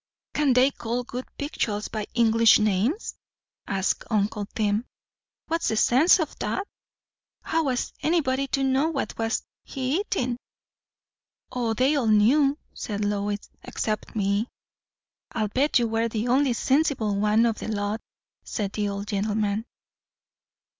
"Can't they call good victuals by English names?" asked uncle Tim. "What's the sense o' that? How was anybody to know what he was eatin'?" "O they all knew," said Lois. "Except me." "I'll bet you were the only sensible one o' the lot," said the old gentleman.